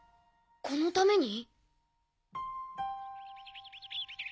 このために？